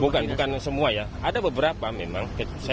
bukan bukan semua ya ada beberapa memang